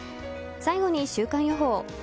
最後に週間予報。